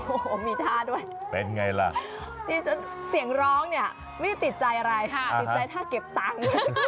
โอ้โหมีท่าด้วยเป็นไงล่ะที่ฉันเสียงร้องเนี่ยไม่ได้ติดใจอะไรติดใจท่าเก็บตังค์